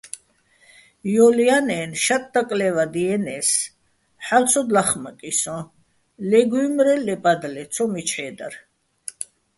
ჲოლ ჲანაჲნო̆ შატ დაკლე́ვადიენე́ს, ჰ̦ალო̆ ცო ლახმაკი სოჼ, ლე გუჲმრე, ლე პადლე - ცომიჩე́ დარ.